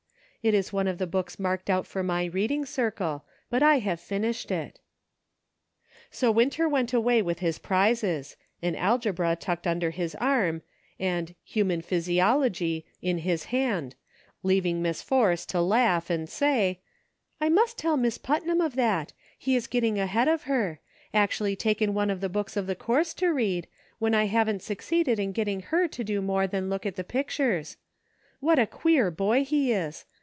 It is one of the books marked out for my reading circle ; but I have finished it." 154 EXPERIMENTS. So Winter went away with his prizes ; an alge bra tucked under his arm and " Human Physi ' ology" in his hand, leaving Miss Force to laugh and say :" I must tell Miss Putnam of that ; he is getting ahead of her ; actually taken one of the books of the course to read, when I haven't succeeded in getting her to do more than look at the pictures. What a queer boy he is